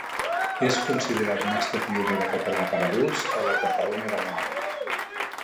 És considerat mestre pioner de català per a adults a la Catalunya del Nord.